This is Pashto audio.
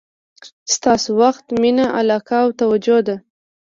ستاسو وخت، مینه، علاقه او توجه ده.